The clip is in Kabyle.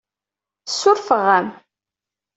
Ssurfeɣ-am.